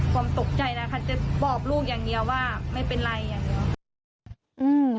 ความตกใจนะคะจะบอกลูกอย่างเดียวว่าไม่เป็นไรอย่างเดียว